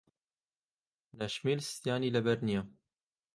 نەشمیل ستیانی لەبەر نییە.